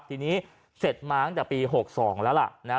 ทีนี้เสร็จมาตั้งแต่ปี๖๒แล้วล่ะ